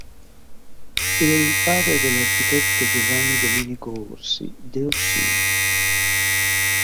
Era il padre dell'architetto Giovanni Domenico Orsi de Orsini.